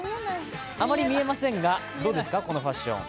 あまり見えませんがどうですか、このファッション。